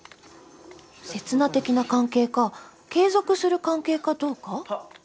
刹那的な関係か継続する関係かどうか？